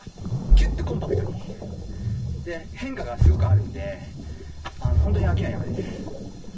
キュッとコンパクトにで変化がすごくあるんで本当に飽きない山です。